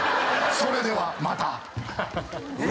それではまた。